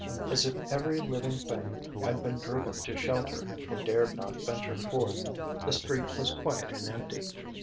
As if every living thing had been driven to shelter, or dared not venture forth, the street was quiet and empty.